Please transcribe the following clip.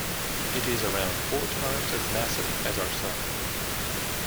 It is around four times as massive as our Sun.